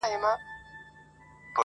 زما د زړه د كـور ډېـوې خلگ خبــري كوي